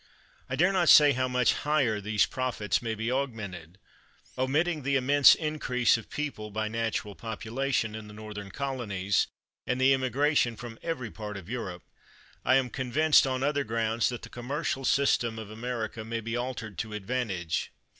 I dare not say how much higher these profits may be augmented. Omitting the im mense increase of people, by natural population, in the northern colonies, and the emigration from every part of Europe, I am convinced on other grounds that the commercial system of America may be altered to advantage.